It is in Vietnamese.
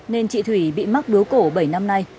nên chị thủy bị mắc bưu cổ bảy năm nay